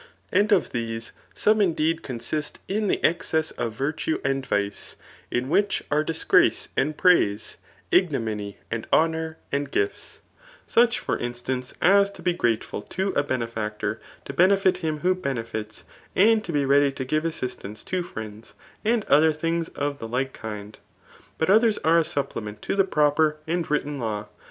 And of these, some indeed consist in the excess of virtue and vice, in which are di^giace and praise^ ignominy and honour and gifts ; such fi>r instance, as to be grateful to a benefactor, to benefit him who benefits, to be ready to give assistance to friends, and other things of the like kind. But others are a supplement to the proper and written law.